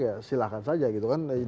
ya silahkan saja gitu kan